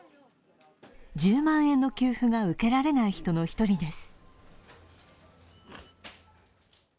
１０万円の給付が受けられない人の１人です。